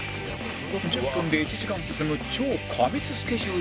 １０分で１時間進む超過密スケジュールに